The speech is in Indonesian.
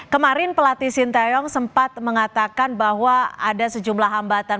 kemarin pelatih sinteyong sempat mengatakan bahwa ada sejumlah hambatan